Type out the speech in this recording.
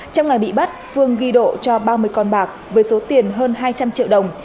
trong ngày bị bắt phương ghi độ cho ba mươi con bạc với số tiền hơn hai trăm linh triệu đồng